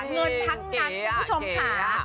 เงินทั้งนั้นคุณผู้ชมค่ะ